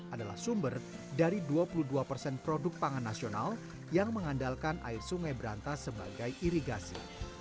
adalah sumber dari dua puluh dua persen produk pangan nasional yang mengandalkan air sungai berantas sebagai irigasi